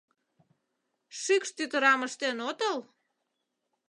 — Шикш тӱтырам ыштен отыл?